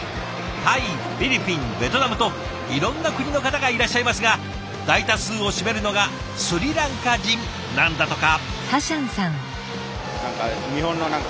タイフィリピンベトナムといろんな国の方がいらっしゃいますが大多数を占めるのがスリランカ人なんだとか。